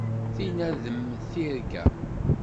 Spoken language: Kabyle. Tinna d mm tirga.